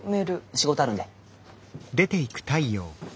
仕事あるんで。